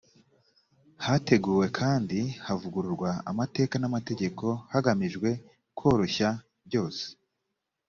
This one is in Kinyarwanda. hateguwe kandi havugururwa amateka n amategeko hagamijwe koroshya byose